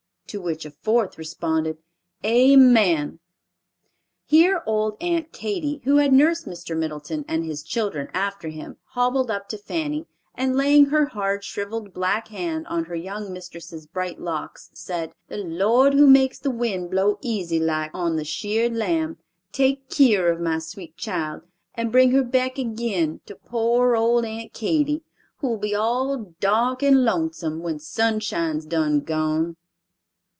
To which a fourth responded, "Amen." Here old Aunt Katy, who had nursed Mr. Middieton and his children after him, hobbled up to Fanny, and laying her hard, shriveled black hand on her young mistress' bright locks, said, "The Lord who makes the wind blow easy like on the sheared lamb, take keer of my sweet child and bring her back agin to poor old Aunt Katy, who'll be all dark and lonesome, when Sunshine's done gone."